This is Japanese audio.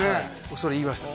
それ言いました